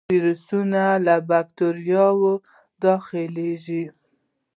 ویروسونه او باکتریاوې داخليږي.